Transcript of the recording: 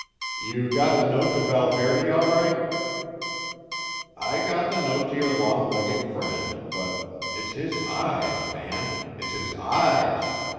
"You got the note to Valverde all right?" "I got the note to your long legged friend, but it's his eyes, man! It's his eyes!